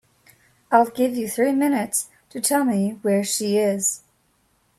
I'll give you three minutes to tell me where she is.